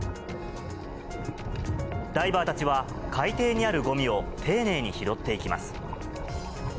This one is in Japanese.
ダイバーたちは、海底にあるごみを丁寧に拾っていきます。